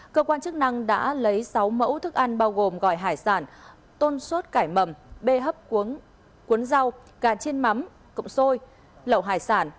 cơ quan chức năng đã lấy sáu mẫu thức ăn bao gồm gỏi hải sản tôn suốt cải mầm bê hấp cuốn rau gà chiên mắm cộng xôi lẩu hải sản